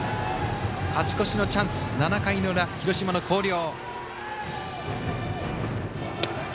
勝ち越しのチャンス、７回の裏広島の広陵。